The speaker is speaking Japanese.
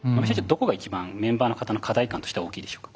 どこが一番メンバーの方の課題感として大きいでしょうか？